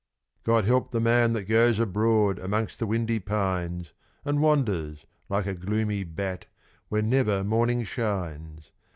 God help the man that goes abroad amongst the windy pines, And wanders, like a gloomy bat, where never morning shines!